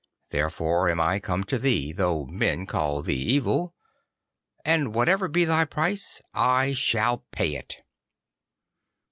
Therefore am I come to thee, though men call thee evil, and whatever be thy price I shall pay it.